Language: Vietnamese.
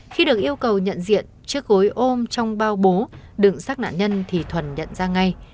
khi được yêu cầu nhận diện chiếc gối ôm trong bao bố đựng xác nạn nhân thì thuần nhận ra ngay